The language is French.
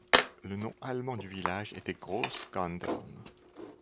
Le nom allemand du village était Groß Gandern.